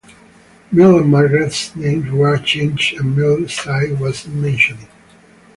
Mil and Margret's names were changed and Mil's site wasn't mentioned.